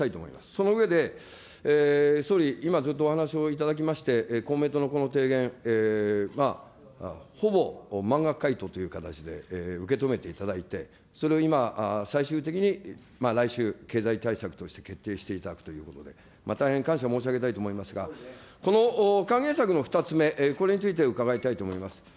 その上で、総理、ずっとお話をいただきまして、公明党のこの提言、ほぼ満額回答という形で受け止めていただいて、それを今、最終的に来秋、経済対策として決定していただくということで、大変感謝申し上げたいと思いますが、この還元策の２つ目、これについて伺いたいと思います。